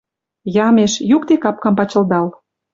Ямеш, юкде капкам пачылдал.